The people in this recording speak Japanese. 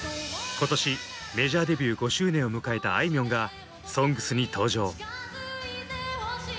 今年メジャーデビュー５周年を迎えたあいみょんが「ＳＯＮＧＳ」に登場。